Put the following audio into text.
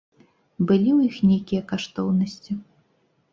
Былі ў іх нейкія каштоўнасці?